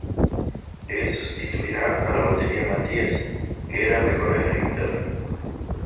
Él sustituirá a la batería Mathias, que era mejor en la guitarra.